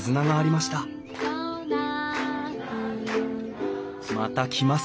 また来ます